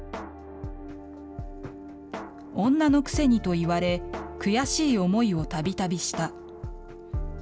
女のくせにと言われ、悔しい思いをたびたびした。